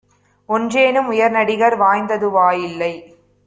ஒன்றேனும் உயர்நடிகர் வாய்ந்ததுவா யில்லை!